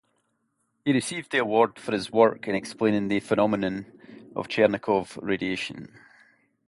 He received the award for his work in explaining the phenomenon of Cherenkov radiation.